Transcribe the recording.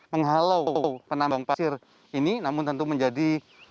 menghalau penambang pasir ini namun tentu menjadi